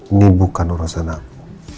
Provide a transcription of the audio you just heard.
ini bukan urusan aku